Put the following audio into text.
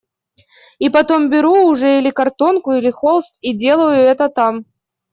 И потом беру уже или картонку, или холст, и делаю это там.